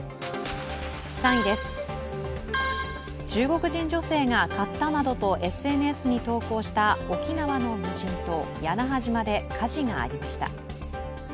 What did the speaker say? ３位です、中国人女性が買ったなどとＳＮＳに投稿した沖縄の無人島、屋那覇島で火事がありました。